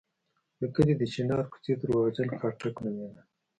د کلي د چنار کوڅې درواغجن خاټک نومېده.